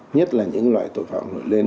nhất là những loại tội phạm nổi lên